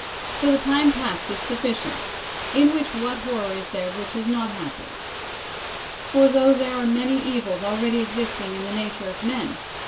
For the tiiiie ]iast is sufficient — in whieli Avhat horror is tlu^r'.' whii h has li'^t happened? — for, tho Ihere are many evils already exisling in 1he nature of ma.n.